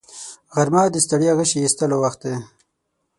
غرمه د ستړیا غشي ایستلو وخت دی